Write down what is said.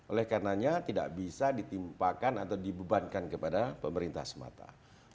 oleh karenanya tidak bisa ditimpakan atau dibebankan kepada pemerintah semata